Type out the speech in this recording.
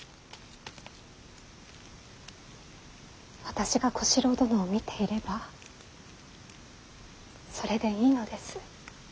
私が小四郎殿を見ていればそれでいいのです。